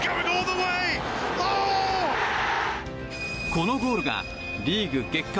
このゴールがリーグ月間